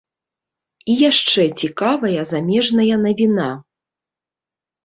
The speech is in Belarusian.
І яшчэ цікавая замежная навіна.